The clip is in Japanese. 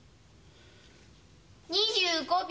２５秒。